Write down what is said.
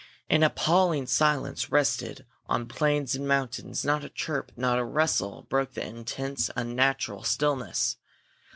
An appalling silence rested on plains and mountains. Not a chirp, not a rustle broke the intense, unnatural stillness.